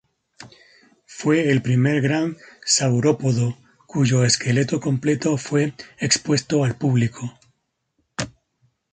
Fue el primer gran saurópodo cuyo esqueleto completo fue expuesto al público.